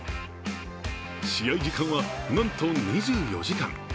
試合時間は、なんと２４時間。